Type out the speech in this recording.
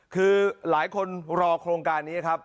คือหลายคนรอโครงการนี้ครับ